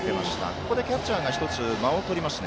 ここでキャッチャーが間をとります。